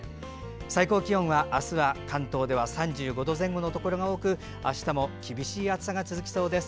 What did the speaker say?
最高気温は明日は関東では３５度前後のところが多くあしたも厳しい暑さが続きそうです。